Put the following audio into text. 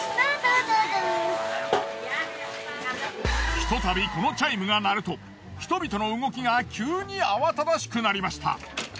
ひとたびこのチャイムが鳴ると人々の動きが急に慌ただしくなりました。